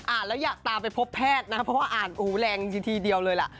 แล้วอยากตามไปพบแพทย์นะเพราะว่าอ่านอู๋แรงทีเดียวเลยล่ะ